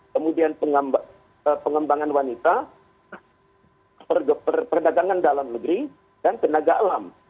kemudian pengembangan wanita perdagangan dalam negeri dan tenaga alam